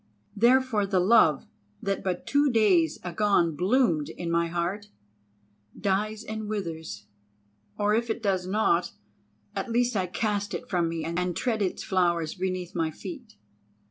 Therefore the love that but two days agone bloomed in my heart, dies and withers; or if it does not, at least I cast it from me and tread its flowers beneath my feet.